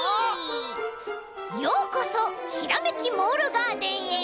ようこそひらめきモールガーデンへ。